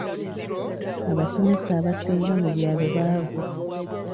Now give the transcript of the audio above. Abasomesa abasinga mu byalo baavu.